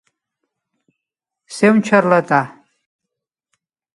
Ser un xarlatà.